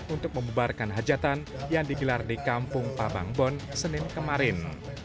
untuk memubarkan hajatan yang digelar di kampung pabangbon senin kemarin